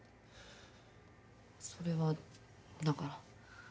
それはだから。